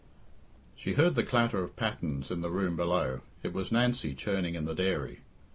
She heard the clatter of pattens in the room below; it was Nancy churning in the dairy.